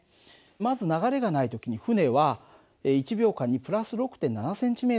まず流れがない時に船は１秒間に＋６．７ｃｍ移動した。